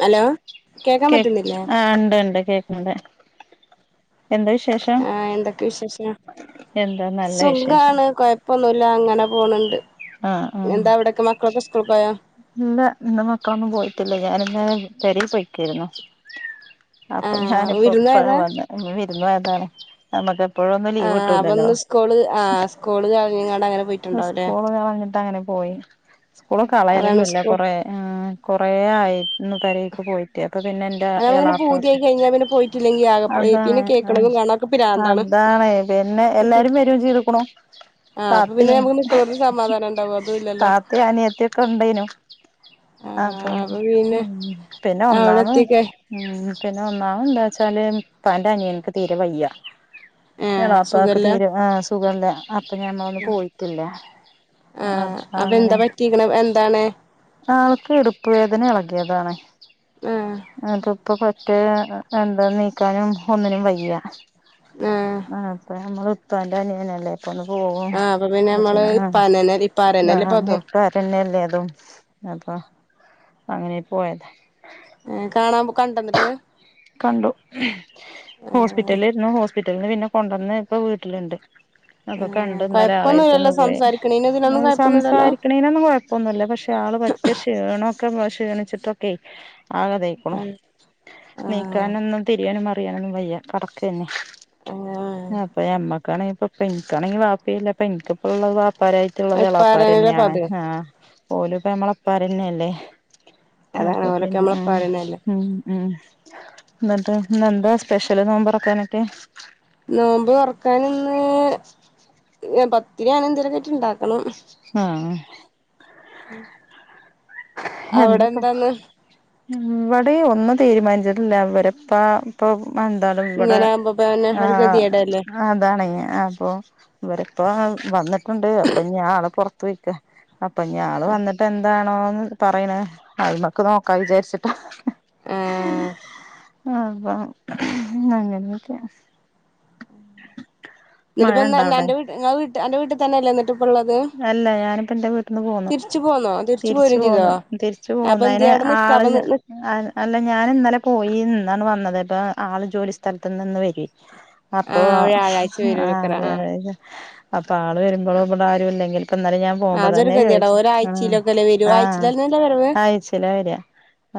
Hello കേക്കാൻ കേക്ക് പറ്റുന്നില്ലേ ആ ഇണ്ട് ഇണ്ട് കേക്കണ്ട് എന്താ വിശേഷം ആഹ് എന്തൊക്കെ വിശേഷ എന്താ നല്ല വിശേഷം സുഖാണ് കൊഴപ്പൊന്നുമല്ല അങ്ങനെ പോണണ്ട് ആ ആ എന്താ അവിടെക്കെ മക്കളൊക്കെ സ്കൂള ക്ക് പോയാ ഇല്ല ഇന്ന് മക്ക ഒന്നും പോയിത്തില്ല ഞാനിന്ന പരി പോയിക്കായിരുന്നു അപ്പൊ ആഹ് ഞാനിപ്പോ വിരുന്ന് ഇപ്പഴാ പോയതാ വന്ന് വിരുന്നൊയതാണ് നമ്മുക്ക് ഇപ്പോഴൊന്നും ലീവ് ആഹ് കിട്ടൂലല്ലോ അപ്പൊന്ന് സ്കൂള് ആഹ് സ്കൂള് കളഞ്ഞങ്ങാണ്ട് അങ്ങനെ പോയിട്ടുണ്ടാവുംല്ലേ സ്കൂൾ [unintelligible] അങ്ങനെ പോയി സ്കൂ അതാണ് കളയാലോന്നുല്ല സ്കൂൾ കൊറേ [inaudible] റേ ആയി ഒന്ന് പേരെക് പോയിട്ട് പ്പം പിന്നെ ന ന്റെ അത് നമുക്കിങ്ങനെ എളപ്പൊക്കെ പൂതിയായി കഴിഞ്ഞാ പിന്നെ പോയിട്ടില്ലെങ്കി ആകെ അതാണ് പിന്നെ അ കേൾക്കണതും കാണാനൊക്കെ പിരാന്താണ് അതാ ണ പിന്നെ എല്ലാരും വരയും ചെയ്തുക്കണോ ആഹ് അപ്പൊ താത്തി പിന്നെ നമുക്ക് നിക്കണോടത്ത് സമാധാനം ഉണ്ടാവോ അതും ഇല്ലല്ലോ താത്തി അനിയത്തോക്കെ ഉണ്ടേനു അപ്പൊ ആഹ് പിന്നെ പിന്നെ അവിടെ ഒന്നാമൻ എത്തിക്കെ ഉം എനിക്കന്നെ ഒന്നാവ എന്താ വച്ചാല് പന്റെ അനിയനിക്ക് തീരെ വയ്യ ആഹ് എളപ്പാക് സുഖല്ല തീരെ ആ സുഖമല്ല അപ്പൊ ഞാമ്മ ഒന്നും പോയിട്ടില്ല ആ അപ്പ അപ്പൊ അങ്ങനെ എന്താ പറ്റിക്കണം എന്താണ് ആൾക്ക് എടുപ്പ വേദന ഇളകിയതാണ് ആഹ് ആ ഇപ്പ കൊ [unintelligible] എന്താ നീക്കാനും ഒന്നിനും വയ്യ ആഹ് അപ്പ നമ്മള് പ്പാന്റെ അനിയനല്ലേ ഇപ്പൊന്നു പോവോ ആഹ് അപ്പൊ പിന്നെ നമ്മള് [unintelligible] ഇപ്പാനന്നെ ആ ഇപ്പാരന്നല്ലേ ഇപ്പ അതും ഇപ്പാ രന്നെല്ലേ അതും അപ്പൊ അങ്ങനെ പോയതാ ഏ കാണപോ - കണ്ടു ഹോസ്പിറ്റലിരുന്നു ഹോസ്പിറ്റലിന്ന് പിന്നെ കൊണ്ടന്ന് ഇപ്പൊ വീട്ടിലുണ്ട് അപ്പൊ ഏഹ് കണ്ട് ഇന്നലെ ആളെരുത്തൊ കൊഴപ്പൊന്നുല്ലല്ലോ ന്ന് പോയി സംസാരിക്കണീന് ഇതിനൊന്നും കൊഴപ്പൊന്നുല്ലല്ലോ സംസാരിക്കണേനൊന്നും കൊഴപ്പൊന്നുല്ല പക്ഷെ ആൾ പ റ്റ ക്ഷീണ [unintelligible] ക്ഷീ ണിച്ചിട്ടൊക്കെ ആകതയ്ക്കുണു ആഹ് ആഹ് നീക്കാനൊന്നും തിരിയാനും അറിയാനൊന്നും വ യ്യ കടക്കെ ന്നെ ആഹ് അപ്പൊ ന മ്മക്കണെങ്കിപ്പോ പ്പെ നിക്കാണെങ്കി വാപ്പ ഇല്ല പെനിക്ക് പ്പോ ള്ളത് വാപ്പരായിട്ട് ള്ള ത് എളാപ്പാ രെ ഇപ്പാരന്നല്ലേ ന്നെ ഇപ്പ ണ് അത് ആ ഓലുംപ്പമ്മളപ്പാ രെ ന്നെയല്ലേ അതാണ് അപ്പൊ ഓലൊക്കെ പിന്നെ നമ്മളെ ആ ഇപ്പാരന്നല്ലേ ഉം ഉം എന്നിട്ട് ന്നെന്താ സ്പെഷ്യല് നോ മ്പറ ക്കാനൊക്കെ നോമ്പ് തൊറക്കാനിന്ന് പത്തിരി അനന്തേലും ഒക്കെയിട്ട് ഇണ്ടാക്കണം ആ ആ ഉം എന്തൊക്കാ ഇവിടെ ഒന്ന് തീരുമാനിച്ചിട്ടില്ല അവരെപ്പ ഇപ്പൊ ന്താലും ഇവിടെ ഇങ്ങനെ ആവുമ്പോ പിന്നെ ഒരു ആഹ് ഗതികേടല്ലേ അതാണ് അപ്പൊ ഇവരിപ്പ വന്നി- പ്പണ്ട് അപ്പൊഞാ ള് പുറത്ത് പോ യ്ക്ക അപ്പൊ ഞാ ള് വന്നിട്ട് എന്താണോന്ന് പറയണ അതുമ്മ ക്ക് നോക്കാ വിചാരിച്ചിട്ടാ ആഹ് അതാ അങ്ങനൊക്കെ ന്നിട്ടപെന്ന അൻറെ വീട്ട് ഇങ്ങളെ വീട്ട് അന്റെ വീട്ട് തന്നെല്ലേ നി - അല്ല ഞാനിപ്പോ ന്റെ വീട്ടന്ന് പോന്നു തിരിച്ചു പോന്നോ തിരിച്ചു പോരും ചെയ്തോ പോന്നു തിരിച്ചു അപ്പൊ എന്ത്യേ പൊന്നീന് അവിടെ നിക്കാ ആള് അപ്പൊ അല്ല ഞാൻ ഇന്നലെ പോയീന്ന് ണ് വന്നത് ഇപ്പ ആള് ജോലി സ്ഥലത്ത് ന്ന് വരുവെ അപ്പൊ ആഹ് വ്യാഴാഴ്ച ആഹ് അ വരൂലക്കറ അതേ ആഹ് അതേ അതാള് വരുമ്പളും ഇബടെ ആരും ഇല്ലെങ്കിൽ ഇപ്പന്നലെ ഞാൻ ആഹ് പോവുമ്പോ അതൊരു തന്നെ ഗതികേടാ ചോയ്ച്ച് ആഹ് ഒരാഴ്ചയിലൊക്കെല്ലേ വരൂ ആഹ് ആഴ്ചയിലന്നല്ലേ വരവ് ആയ്ച്ചേലാ വെരാ.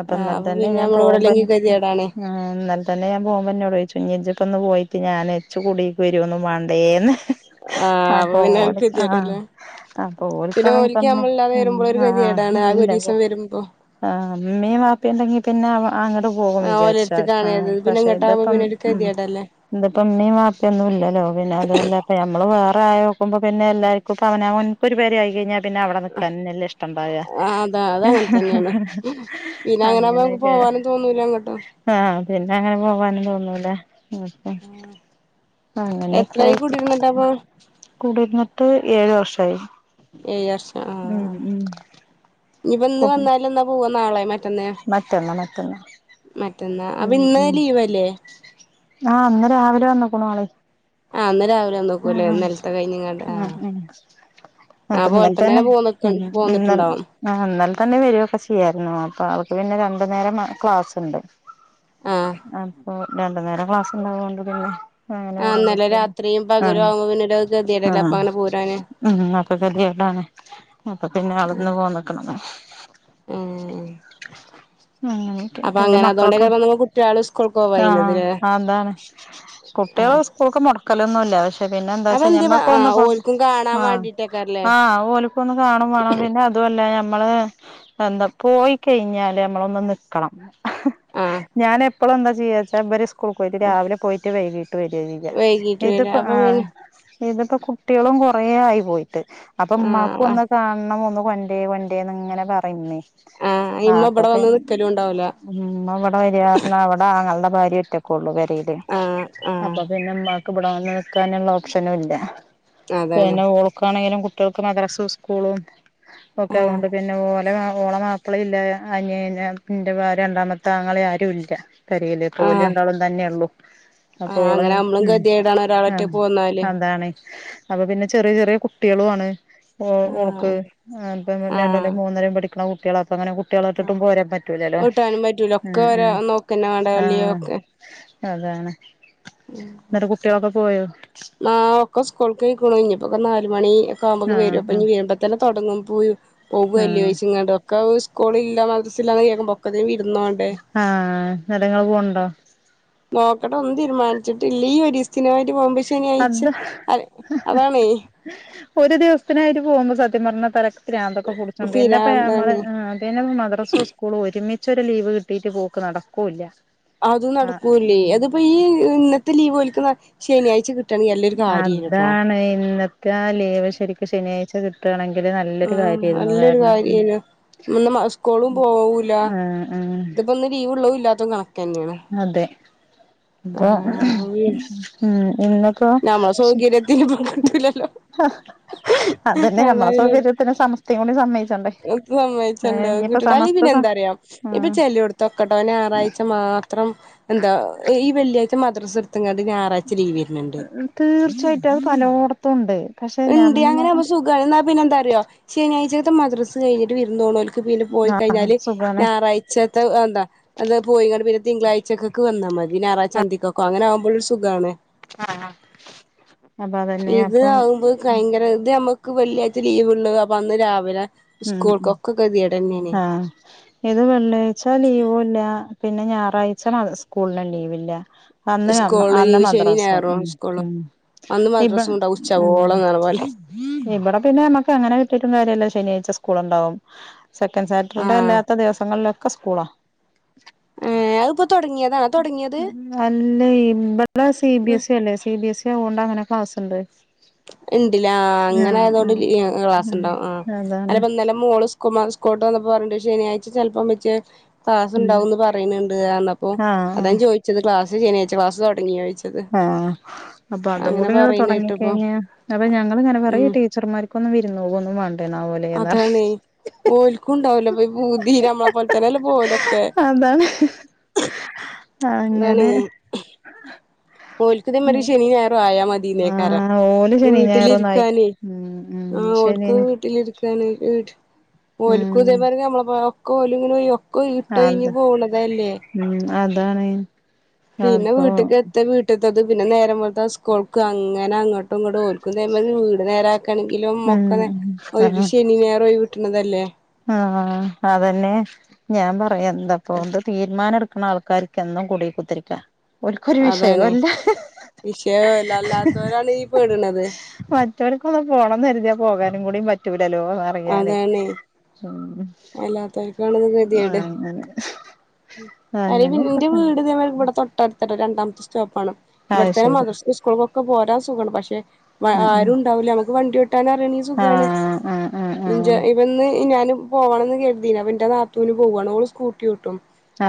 അപ്പൊ ആഹ് ഇന്നൽതന്നെ പിന്നെ ഞാൻ നമ്മള് പോവുമ്പൊൻ ഇവിടെല്ലെങ്കി ഗതികേടാണ് ഞാ എന്നൽ തന്നെ ഞാൻ പോവുമ്പന്നോടോയ്ച്ചു ഇഞ്ഞി ജ്ജ് ഇപ്പന്ന് പോയി ട്ട് ഞാനേ ഇച്ച് കുടീക്ക് വരൊന്നും വാണ്ടേന്ന്. ആഹ് അപ്പ അപ്പൊ പിന്നെ അത് ഓല് ആ കതിയേടല്ലേ. അപ്പൊ പിന്നെ ഓൽക്കാണെങ്കി ഓൽക് പറഞ്ഞ് നമ്മളില്ലാതെ വരുമ്പൊളും ഒരു ഗതികേടാണ് ആകെ ഒരീസം വരുമ്പോ ആഹ് ഇമ്മീം വാപ്പിണ്ടെങ്കി പിന്നെ ആവാ അങ്ങട്ട് പോകും ആഹ് വിചാരിച്ചാ ആഹ് ഓലെടുത്ത്ക്കാണേത് പിന്നെ പക്ഷെ ഇങ്ങട്ടാവുമ്പോ ഇതിപ്പം പിന്നെ ഒരു ഉം ഗതികേടല്ലേ ഇത്പ്പ ഇമ്മിം വാപ്പി ഒന്നുല്ലലോ പിന്നെ അതുവല്ല ഇപ്പ ഞമ്മള് വേ റായോക്കുമ്പോ പിന്നെ എല്ലാര്ക്കും ഇപ്പ അവനാ ഓൻക്കൊരു പെരായി കയ്ഞാ പിന്നെ അവടെനിക്കാനെന്നല്ലേഷ്ട്ടണ്ടാവാ ആഹ് അതാ അതങ്ങനെ തന്നെയാണ് അങ്ങനെക്കെ ക്കാനും തോന്നൂല്ല ങ്ങട്ടും പിന്നെ ങ്ങനെ പോവാ നും തോന്നൂല. ന്ന്ട്ട് അങ്ങനൊക്കയ് എത്രായി കുടിരുന്നിട്ടപ്പൊ കുടിര്ന്ന് എ ഏഴ് വർഷായി. ഏഴ് വർഷം ആഹ് ഉം ഞ്പ്പന്ന് വന്നാലെന്നപോവ നാളെ മ മറ്റെന്ന മറ്റെന്ന മറ്റന്നാ അപ്പന്ന് ലീവല്ലേ? ആഹ് ഇന്ന് രാവിലെ വന്നുക്കുണു ആള്. ആഹ് ഇന്ന് രാവിലെ വന്നുക്കൂല്ലേ ആഹ് ഇന്നൽത്തെ കയ്ഞ്ഞ്ങ്ങാണ്ട്. ആഹ് അപ്പ ഇന്നൽ തെന്നെ ഇന്നൽ ആ ഇന്നൽ തെന്നെ വെരോക്കെ ചെയ്യായ്ര്ന്നു അപ്പൊ ആള് ഇപ്പ പിന്നെ രണ്ട് നേരം ക്ലാസ്ണ്ട് ആ അപ്പൊ രണ്ട് നേരം ക്ലാസ്ണ്ടായോണ്ട് പിന്നെ അങ്ങനെ ആഹ് ഇന്നല്ലെ രാത്രിം പകലാവുമ്പോ പിന്നൊരൊ ആ ഉം അപ്പൊ കെത്യേടാണ് അപ്പൊ പിന്നെ ആള് ന്ന് പോന്ന്ക്ക്ണ്. ആഹ് ഏഹ് അങ്ങനെക്കെ പിന്നെ മക്കളൊക്കെ? നിങ്ങളെ കുട്ട്യാള് സ്കൂൾക്ക് പോവായിന്നത് ആഹ് ല്ലേ അതാണ്. ആ കുട്ട്യേള് സ്കൂക്ക് മൊടക്കലൊന്നുല്ല പക്ഷെ പിന്നെ അപ്പൊ ന്താച്ചാ എന്ത്യേ ആ ഞമ്മക്കൊന്ന് പോണം. ഓൽക്കും കാണാൻ ആഹ് വേണ്ടിട്ടേക്കാരല്ലേ ആഹ് ഓല്ക്കൊന്ന് കാണും വാണം പിന്നെ അത്വല്ല ഞമ്മള് എന്താ പോയി കഴിഞ്ഞാല് നമ്മളൊന്ന് നിക്കണം ആ ഞാൻ എപ്പളും എന്താ ചെയ്യച്ചാ ഇവര് സ് സ്കൂൾക്കോയിട്ട് രാവിലെ പോയിട്ട് വൈകീട്ട് വെര്യാ ചെയ്യാ. വൈകീട്ട് ഇത് വരാ പ്പൊ അപ്പൊ ആഹ് പിന്നെ ഇത്പ്പൊ കുട്ട്യേളും കൊറേ യായി പോയിട്ട് ആ ആ അപ്പമ്മാക്കൊന്ന് കാണണം ഒന്ന് കൊണ്ട്രേ കൊണ്ട്രേ ന്ന്ങ്ങനെ പറിംമ്മേ ആ ആഹ് ഇമ്മ ഇബടെ അപ്പൊക്കെ വന്ന് നിക്കലും ഉണ്ടാവൂല മ്മ ഇവ്ടെ വര്യാ പ്പാങ്ങൾന്റെ ഭാര്യ ഒറ്റക്കാെള്ളു പെരീലേ ആ ആ അപ്പ പിന്നെ മ്മാ ക്ക് ബ്ടെ വന്ന് നിക്കാന്ള്ള ഓപ്ഷനുംല്ല അതാണ് പിന്നെ ഓൾക്കാണേലും കു ട്ട്യോക്ക് മദ്റസ്സു സ്കൂളും ഒക്കെ ആ അതോണ്ട് പിന്നെ ഓ ലെ മാ ഓളെ മാപ്പ്ളില്ലാ അനിയന് ഇന്റെ വ രണ്ടാമത്തെ ആങ്ങളെ ആരുംല്ല പെരേല് പ്പോല് ആ രണ്ടാളും തന്നെള്ളു ആഹ് അപ്പോള് അങ്ങനെ നമ്മളും ഉം ഗതികേടാണ് ഒരാള് ആഹ് ഒറ്റക്ക് പോന്നാല് അതാണ് അപ്പൊ പിന്നെ ചെറ്യെ ചെറ്യെ കുട്ട്യേളു ആണ് ഓ ഓൾക്ക് ആഹ് ആഹ് ഇപ്പം ആഹ് രണ്ട്ലും മൂന്ന്ലും പഠിക്ക്ണ കുട്ട്യേളാ പ്പങ്ങനെ കുട്ട്യേളെട്ട്ട്ടും ആഹ് പോരാൻ പറ്റൂലലാേ വീട്ടാനും പറ്റൂല ഒക്കെ ഉം ഒരാ ഉം നോക്കന്നെ വേണ്ടേ ആഹ് വല്ല്യോക്കെ അതാണ് ന്നട്ട് കുട്ട്യേളൊക്കെ പോയോ? ആഹ് ഒക്കെ സ്കൂൾക്കൊയ്ക്ക്ണു ഇഞ്ഞ്പ്പാെക്കെ നാലു മണീ ക്കാവുമ്പങ്ങ് ആഹ് വെരും അപ്പ ആഹ് ഇഞ്ഞി വെര്മ്പ തന്നെ തൊടങ്ങും പോയാെ ആഹ് പോവെല്ല്യൊയ്ച്ച്ങ്ങാണ്ട് ഒക്കവ് സ് സ്കൂള്ല്ല മദ്രസ്സ്ല്ലാന്ന് കേക്കുമ്പാെ ഒക്കെത്ത്നും വി ആഹ് ന്നട്ട്ങ്ങള് പോൺണ്ടോ? നോക്കട്ടെ ഒന്നും തീര്മാൻച്ച്ട്ട്ല്ല ഈ ഒരീസ്ത്തിനായ്ട്ട് പോകുമ്പെഷ് ശനിയാഴ്ച അത് അ അതാണേ. ഒരു ദിവസത്തിനായിട്ട് പോകുമ്പ സത്യം പറഞ്ഞ തെരക്കാ പ്രാന്തൊക്കെ പുടിച്ചുപോം പിന്നെപ്പോ നമ്മള് പിരാന്താണ് പിന്നെപ്പ മദ്രസ്സാ സ്കൂളും ഒരുമിച്ച് ച്ചൊരു ലീവ് കിട്ടിയിട്ട് പോക്ക് നടക്കൂല്ല. അതും ആഹ് നടക്കൂല്ലേ ഉം അതിപ്പോ ഈ ഇന്നത്തെ ലീവ് ഓലിക്ക് ന ശനിയാഴ്ച കിട്ട അതാണ് ഇന്നത്തെ ലീവ് ശരിക്ക്‌ ശനിയാഴ്ച കിട്ടുകാണെങ്കിൽ ആ നല്ലൊരു കാര്യല്ലേ നമ്മ സ്കൂളും പോവൂല. ആഹ് ആഹ് ഇതിപ്പോ ഇന്ന് ലീവൊള്ളതും ഇല്ലാത്തതും കണക് അതെ അപ്പൊ അതാണ് അപ്പൊ പിന്നെ ഉം ഇന്നിപ്പോ നമ്മളെ സൗകര്യത്തിന് ഇപ്പ കിട്ടൂലല്ലോ അതന്നെ അതാ നമ്മളെ പിന്നെ സൗകര്യത്തിന് സമസ്തയും കൂടി സമ്മയിച്ചണ്ടേ? വിട്ടിഡാലി സമസ്ത സ പിന്നെന്തറിയാം ഇപ്പൊ ആഹ് ചെലോടത്തൊക്കെഡാ ആറാഴ്ച മാ ഇത്രം എന്താ ഈ വെള്ളിയാഴ്ച മദ്രസ് എടുത്തുംങ്ങണ്ട് ഞായറാഴ്ച ലീവ് വരുന്നുണ്ട്. തീർച്ചയായിട്ടും അത് പലോടത്തും ഒണ്ട്. ഉണ്ട് അങ്ങനാകുമ്പ സുഖാണ് ന്നാല് പിന്നെന്താറിയോ ശനിയാഴ്ചയകത്ത് മദ്രസ് കഴിഞ്ഞിട്ട് വിരുന്ന് പോണൂല്ലോ ക്ക്‌ പിന്നെ പോയി ആഹ് കഴിഞ്ഞാല് സുഖാണ് ഞായറാഴ്ചത്തെ എന്താ അത് പോയിങ്കണ്ട് പിന്നെ തിങ്കളാഴ്ചക്കക്കെ വന്നാ മതി. പിന്നെ ഞാറാഴ്ച്ചന്തിക്കൊക്കെ അങ്ങനാകുമ്പോഴൊരു സുഖാണേ. ആ അതതന്നെ ഇത് അപ്പൊ ആകുമ്പോ ഭയങ്കര ഇത് നമ്മുക്ക് വെള്ളിയാഴ്ച ലീവുള്ളു അപ്പൊ അന്ന് രാവിലെ ഉം സ്കൂൾക്കൊക്കെ ഗതികേടെന്നേണ് ആ ഇത് വെള്ളിയാഴ്ച ലീവുംല്ല പിന്നെ ഞായറാഴ്ച മദ്രസ സ്കൂളിനും ലീവില്ല. അന്ന് അന്ന സ്കൂള് അന്ന് ലീവ് ശനിം മദ്രസ്സാ ഞായറും ഉം സ്കൂളും ഉം അന്ന് ഇപ്പ മദ്രസും ഉണ്ടാവും ഉം ഉച്ചവോളം ന്നർഞ്ഞ പോലെ ഇവിടെ പിന്നെമ്മക്ക് അങ്ങനെ കിട്ടിട്ടും കാര്യല്ല ശനിയാഴ്ച്ച സ്കൂൾ ഉണ്ടാവും സെക്കൻ് സാറ്റർഡേ ആഹ് അല്ലാത്ത ദിവസങ്ങളിലൊക്കെ സ്കൂളാ ഏഹ് തൊടങ്ങിയതാണോ തൊടങ്ങിയത് അല്ലെ ഇബിടെ സി ബി എസ് സ ഉണ്ട് സി ബി എസ് സ ണ്ട അങ്ങനെ ക്ലാസ്ണ്ട് ഇണ്ടില്ല അങ്ങനെ ആഹ് ആയതൊണ്ട് ആഹ് ക്ലാസ് ഉം ഉണ്ടാവും അതാണ് അല്ലപ്പ ഇന്നലെ മോള് സ് കുമാർ സ്കോട്ട് വന്നു പറഞ്ഞു ശനിയാഴ്ച ചിലപ്പം വെച്ച് ക്ലാസ് ഉം ഉണ്ടാവുന്ന് പറയുന്നുണ്ട് അന്നപ്പോ ആഹ് അതാൻ ആഹ് ചോദിച്ചത് ക്ലാസ് ശനിയാഴ്ച ക്ലാസ് തുടങ്ങിയോ ചോദിച്ചത് ആ അപ്പൊ അതും അങ്ങനെ കൂടി ഇങ്ങ പറയണ കേട്ടപ്പോ തുടങ്ങിക്കഴിഞ്ഞാ അപ്പൊ ഞങ്ങള്ൾങ്ങനെ പറയും ടീച്ചർമാർക്കൊന്നും വിരുന്ന പോകോന്നും വേ അതാണ് ഓല്ക്കും ഉണ്ടാവലൊ പൂതി നമ്മളെ പോലെ തന്നെല്ല പോലൊക്കെ എന്താണ് അങ്ങനെ ഓല്ക്കുന്നേ മതി ശനി ഞായർ ആയാ മതിന്നേക്കാര ആഹ് ഓല് ശനി ഞായറൊന്നും ആയി വീട്ടിലിരിക്കാന് ഉം ഉം ശനി ഓല്കൂ വീട്ടിലിരിക്കാൻ ഓല്കൂ ഉം ഇതേ പറ നമ്മൾ [unintelligible] കോല് ഇട്ടോ ഇഞ് അത് പോണതല്ലേ ഉം അതാണ് പിന്നെ അപ്പൊ വീട്ടിക്ക് എത്ത വീട്ടത്തത് പിന്നെ നേര വെളു ത സ്കൂൾക്ക് അങ്ങനെ അങ്ങോട്ടും ഇങ്ങോട്ടും ഒൾക് വീട് നേരക്കാണെങ്കിലും ഉം മോക്കാ ശനി ഞായർ ഒഴിവ് കിട്ടണതല്ലേ ആ അതന്നെ ഞാൻ പറയാ എന്താപ്പോണ്ട് തീരുമാനം എടുക്കണ ആൾ കരിക്കന്നും കൂടി കുത്തിരിക്കാം ഓല്ക്കൊരു വിഷയം അതാണ് അല്ല വിഷയം അല്ലാത്തോരാണ് ഈ പെടണത് മറ്റവർക്ക് ഒന്ന് പോണംന്ന് കരുതിയാൽ പോകാനും കൂടിയ പറ്റൂലല്ലോ അത് അറിഞ്ഞാൽ അതാണ് ഉം അല്ലാത്തോൽക്കാണ് ആ അങ്ങനെ അ അങ്ങനെയൊക്കെ ന്റെ തന്നെ വീട് ഇവിടെ തൊട്ടടുത്തട്ടോ രണ്ടാമത്തെ സ്റ്റോ താണ് അത് ഇവിടത്തെന്നെ ശരി മദർ സ്കൂളൊക്കെ പോരാൻ സുഖണ് പക്ഷെ ഉം ഉം ആരും ഉണ്ടാവൂല്ല നമ്മുക്ക് വണ്ടി ഓട്ടാന് അറിയണങ്കി സുഖമാണ് ആഹ് ആഹ് ജ ആഹ് ഇവന്ന് ഞൻ പോകണംന്ന് കരുതിന് അപ്പൊ എന്റെ നാത്തുന് പോവുവാണ് ഓള് സ്കൂട്ടി ഒട്ടും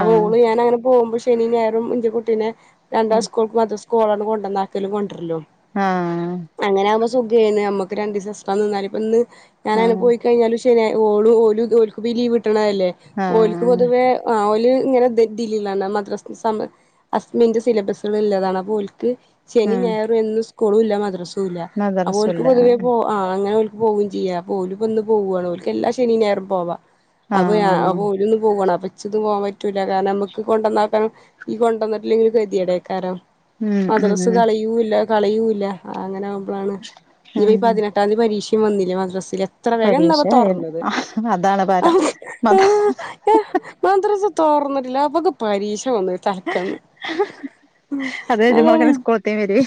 ആഹ് ആഹ് ഓള് ഞൻങ്ങനെ പോകുമ്പോ ശനി ഞായരും എന്റെ കുട്ടീനെ രണ്ടാ ഉം സ്കൂൾക്ക് മദ്രസക് ഒള്ളാന് കൊണ്ടെനകലും കൊണ്ടേരലും ആ സുഖോന് നമുക്ക് രണ്ടീസം എക്സ്ട്രാ നിന്നാലു ഇപ്പ ഇന്ന് ഞാൻ അങ് ആഹ് പോയിക്കഴഞ്ഞാലും ശനിയാഴ്ച ഉള്ളും ഓലും ഓക്ക ലീവ് കട്ടണല്ലേ ഓലക്ക് ആഹ് പൊതുവേ ആ ഇങ്ങന [unintelligible] മദ്രാസ എക്സാം ഹുസ്ബൻഡ് സിലബസുകാള്ളതാണ് പോ ശനി ആഹ് ഞായറും എന്നും സ്കൂളും ഇല്ല മദ്രാസൂല്ല അപ്പൊൽക്ക് മദ്രസുല്ല പൊതുവേ പോ അ അങ്ങനെ പോകും ചെയ്യ പോലിപ്പൊന്ന് പോവുവാണ് ഓൽക്ക് എല്ലാ ശനിയും ഞായറും പോവാ അപ്പൊ ആഹ് അപ്പൊ ഒലോന്ന് പോകണ അപ്പ ഇച്ചന്ന് പോകാൻ പ പറ്റൂല്ല കാരണം നമ്മുക്ക് കൊണ്ടന്നാക്കാൻ ഈ കൊണ്ടന്നി ഇല്ലെങ്കി കതിയടക്കാരോ ഉം മദ്രാസ് ഉം കളിയൂല്ല കളിയൂല്ല അങ്ങനെ ഈ ഉം പതിനെട്ടാം തീയതി പരീക്ഷയും വന്നില്ലേ മദ്രസ എത്ര വേഗം പരീക്ഷ എന്ന തോറാണത് ആയിരുന്നു അതാണ് ഭാരം മത മദ്രസ തോർന്നിട്ടില്ല അപ്പൊക്കെ പരീക്ഷ വന്ന തലക്കന്ന് അത് അതാണ് കഴിയുമ്പോളേക്കും സ്കൂളത്തേം വരും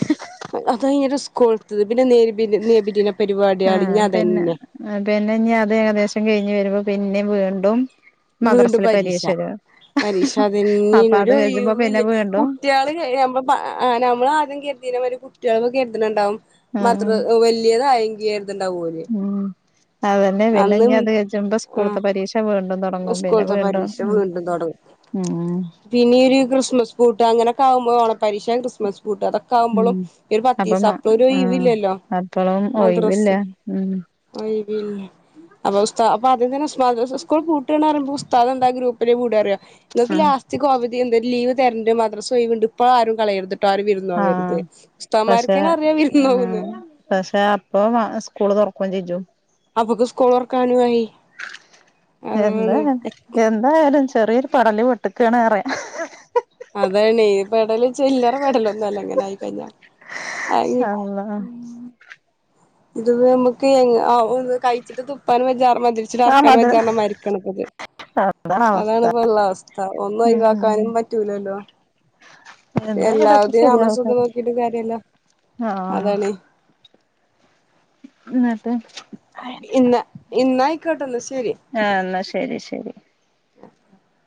അത ഇരു സ്കൂൾ ആ ഇഞ്ഞി പിന്നെ അതന്നെ പിന്നെ ഇനി അത് ഏകദേശം കഴിഞ്ഞ് വരുമ്പോ പിന്നെ വീണ്ടും വീണ്ടും മദ്രസില് പരീക്ഷ വരും പരീക്ഷ അപ്പൊ അത് അതന്നെയൊരു കഴിയുമ്പോ പിന്നെ ഒഴിവില്ല വീണ്ടും കുട്ടികള് ന നമ്മൾ പ ആദ്യം കേ സ്ഥിര ഒരു കുട്ടികള കെ എതിണ്ടാവും ഉം മദ്ര വലിയതായെങ്കി കരുതണ്ടാവും പോലേ ഉം അതന്നെ പിന്നെ ഇനി അന്നും അത് കഴിയുമ്പോ ആ സ്കൂളത്തെ പരീക്ഷ വീണ്ടും തുടങ്ങും പിന്നെ ഊസ്കൂളത്തെ വീണ്ടും പരീക്ഷ ഉം വീണ്ടും തുടങ്ങും ഉം പിന്നെ ഒരു ക്രിസ്മസ് ബൂട്ട് അങ്ങനെയൊക്കെ ആകുമ്പോ ഓണപ്പരിഷ ക്രിസ്മസ് പൂട്ടും അതൊക്കെ ഉം ആകുമ്പോഴും ഒരു പത്ത് ദിവസ അപ്പം അപ്പോ ഒരു ആ ഒഴിവില്ലാലോ അപ്പളും മദ്രാസ ഒഴിവില്ല ഉം വൈബില അപ്പൊത അപ്പ അംന്നെ സ് സ്കൂൾ കൂട്ട പറുമ്പോ പുതദം എന്താ ഗ്രൂപ്പിലന്റെ കൂടാറിയാ [unintelligible] നിക്ക് ലാസ്റ്റ്ക് അവധി എന്ത ലീവ് തരേണ്ട് മദ്രസ വീവ്ണ്ട് ഇപ്പോൾ ആരും കളയരുത് ആഹ പക്ഷെ അറിയാം ഉ വിരുന്നോവുന്ന് പക്ഷെ അപ്പൊ സ്കൂള് തുറക്ക കൊഞ്ചേ ജോ അപ്പൊക്ക് സ്കോളർക്കാനു ആയി എന്താ അതാണ് എന്ത ആാലും ചെറിയൊരു പടല് പൊട്ടക്കാണ് അറയാ അതാണ്പ്പ ഇടൽ ചില്ലറ മെടലൊന്നും അല്ലങ്ങനെ ആയിക്കഞ്ഞ അള്ളാ ഇത് നമുക്ക് കഴിച്ചിട്ട് തുപ്പാൻ വെചാറ മതി ആഹ് തിരിച്ചിടറക്കാൻ മത വചാരണം മരിക്കണ ഇത് അതാണ് അവസ്ഥ അതണിപ്പോ ഉള്ള അവസ്ഥ ഒന്നും ഉം ഉം ഒഴിവാക്കാനും പറ്റൂലല്ലോ എന്തായാലും ഒക്കെ എല്ലാവിത നമ്മള ശരിയാവും സ്വന്തം നോക്കിട്ട് കാര്യല്ലോ അതണേ എന്നട്ട് ഇന്ന ഇന്നായിക്കോട്ടെന്ന ശരി ആഹാ ശരി ശ ശരി ആ [unintelligible]